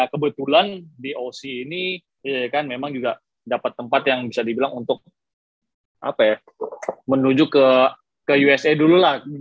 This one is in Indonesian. kebetulan di oc ini ya kan memang juga dapat tempat yang bisa dibilang untuk menuju ke usa dulu lah